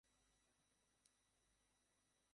তারপর তার বেদিতে স্থাপন করল।